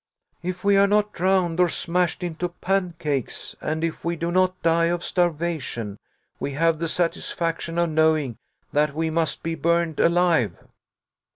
"If we are not drowned, or smashed into pancakes, and if we do not die of starvation, we have the satisfaction of knowing that we must be burned alive."